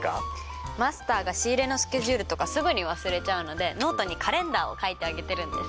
マスターが仕入れのスケジュールとかすぐに忘れちゃうのでノートにカレンダーを書いてあげてるんです。